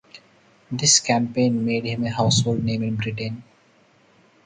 This campaign made him a household name in Britain.